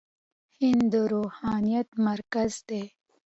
هند د روحانيت مرکز دی.